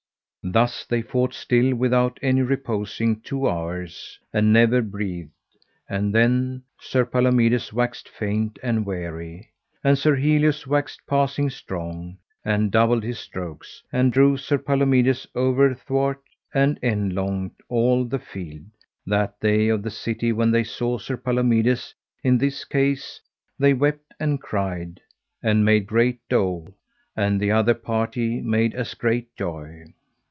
Thus they fought still without any reposing two hours, and never breathed; and then Sir Palomides waxed faint and weary, and Sir Helius waxed passing strong, and doubled his strokes, and drove Sir Palomides overthwart and endlong all the field, that they of the city when they saw Sir Palomides in this case they wept and cried, and made great dole, and the other party made as great joy.